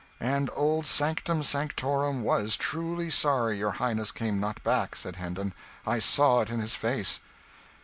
"And old Sanctum Sanctorum was truly sorry your highness came not back," said Hendon; "I saw it in his face."